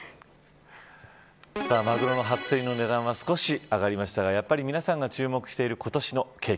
マグロの初競りの値段は少し上がりましたが皆さんが注目している今年の景気。